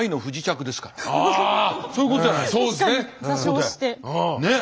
そうですね。